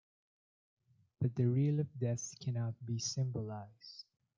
But the real of death cannot be symbolized.